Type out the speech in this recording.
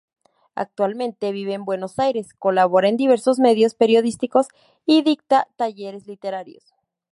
Actualmente vive en Buenos Aires, colabora en diversos medios periodísticos y dicta talleres literarios.